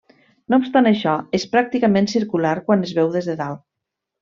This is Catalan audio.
No obstant això, és pràcticament circular quan es veu des de dalt.